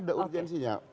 tidak ada urgensinya